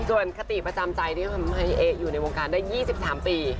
ส่วนคติประจำใจที่ทำให้เอ๊ะอยู่ในวงการได้๒๓ปี